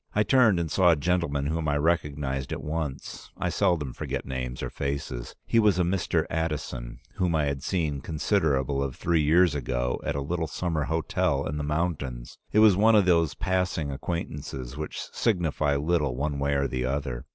I turned and saw a gentleman whom I recognized at once. I seldom forget names or faces. He was a Mr. Addison whom I had seen considerable of three years ago at a little summer hotel in the mountains. It was one of those passing acquaintances which signify little one way or the other.